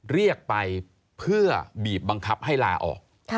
เรียกไปเพื่อบีบบังคับให้ลาออก